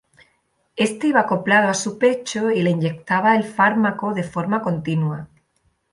Éste iba acoplado a su pecho y le inyectaba el fármaco de forma continua.